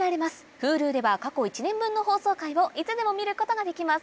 Ｈｕｌｕでは過去１年分の放送回をいつでも見ることができます